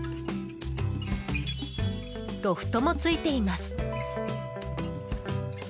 ロフトも付いています。